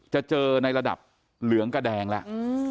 จะเจอในระดับเหลืองกระแดงแล้ว